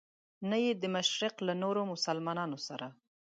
نه یې د مشرق له نورو مسلمانانو سره.